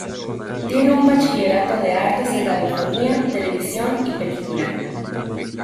Tiene un bachillerato de artes en radiofonía, televisión y película.